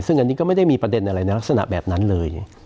ซึ่งอันนี้ก็ไม่ได้มีประเด็นอะไรในลักษณะแบบนั้นเลย